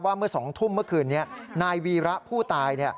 เมื่อ๒ทุ่มเมื่อคืนนี้นายวีระผู้ตาย